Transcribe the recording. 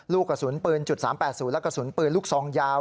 ลูกกระสุนปืน๓๘๐และกระสุนปืนลูกซองยาว